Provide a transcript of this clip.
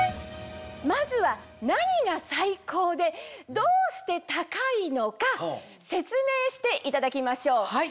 まずは何が最高でどうして高いのか説明していただきましょう。